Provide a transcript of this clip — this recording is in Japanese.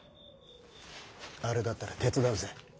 あれだったら手伝うぜ。